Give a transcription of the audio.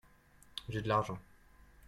J'ai de l'argent.